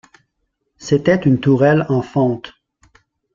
C'était une tourelle en fonte.